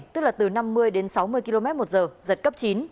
tức là từ năm mươi đến sáu mươi km một giờ giật cấp chín